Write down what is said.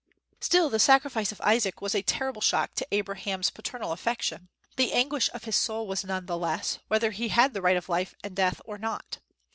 Still, the sacrifice of Isaac was a terrible shock to Abraham's paternal affection. The anguish of his soul was none the less, whether he had the right of life and death or not.